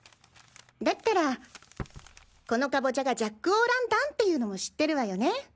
だったらこのカボチャがジャックオーランタンって言うのも知ってるわよね。